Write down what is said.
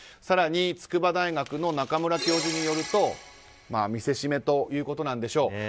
更に筑波大学の中村教授によると見せしめということなんでしょう